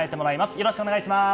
よろしくお願いします。